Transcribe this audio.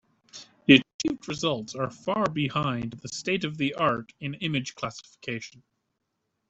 The achieved results are far behind the state-of-the-art in image classification.